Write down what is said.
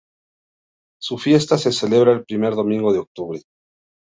Su fiesta se celebra el primer domingo de octubre.